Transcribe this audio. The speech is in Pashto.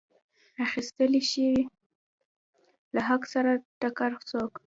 اخیستلی شي له حق سره ټکر څوک.